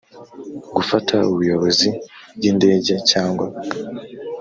gufata ubuyobozi bw indege cyangwa